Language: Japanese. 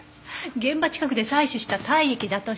現場近くで採取した体液だとしか！